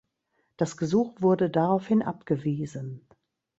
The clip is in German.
Das Gesuch wurde daraufhin abgewiesen.